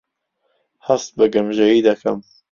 هەست بە گەمژەیی دەکەم.